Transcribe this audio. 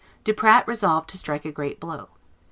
Duprat resolved to strike a great blow.